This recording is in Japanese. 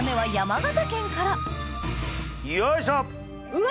うわ！